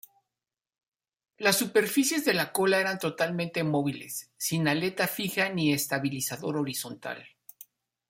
Las superficies de la cola eran totalmente móviles, sin aleta fija ni estabilizador horizontal.